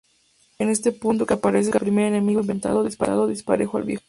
Es en este punto que aparece el primer enemigo intentando disparar al viejo.